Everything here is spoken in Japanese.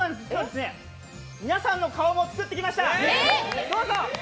皆さんの顔も作ってきました。